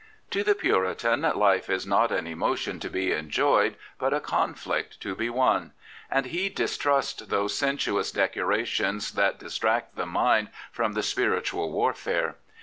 98 Dr. ClifFord To the Puritan, life is not an emotion to be enjoyed, but a conflict to be won, and he distrusts those sensuous decorations that distract the mind from the spiritual warfare.